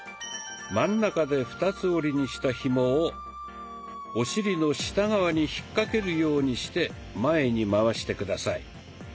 真ん中で二つ折りにしたひもをお尻の下側に引っ掛けるようにして前にまわして下さい。